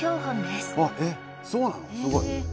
すごい！